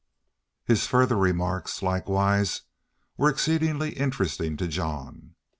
His further remarks, likewise, were exceedingly interesting to Jean.